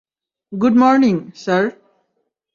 Good morning, sir.